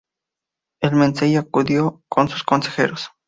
El mencey acudió con sus consejeros.